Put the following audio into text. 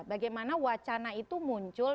bagaimana wacana itu muncul